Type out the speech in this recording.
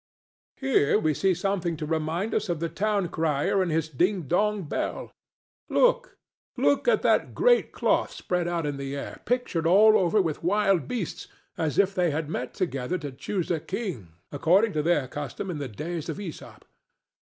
Here we see something to remind us of the town crier and his ding dong bell. Look! look at that great cloth spread out in the air, pictured all over with wild beasts, as if they had met together to choose a king, according to their custom in the days of Æsop.